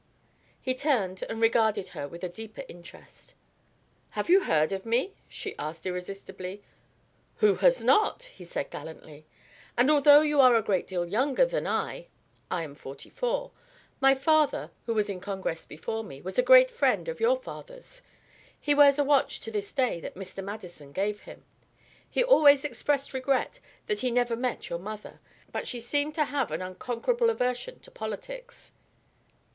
He turned and regarded her with a deeper interest. "Have you heard of me?" she asked irresistibly. "Who has not?" he said gallantly. "And although you are a great deal younger than I, I am forty four, my father, who was in Congress before me, was a great friend of your father's. He wears a watch to this day that Mr. Madison gave him. He always expressed regret that he never met your mother, but she seemed to have an unconquerable aversion to politics."